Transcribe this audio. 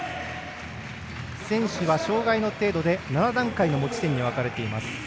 選手は、障がいの程度で７段階の持ち点に分かれています。